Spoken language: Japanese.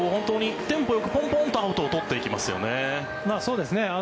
テンポよく、ポンポンとアウトを取っていきますよね。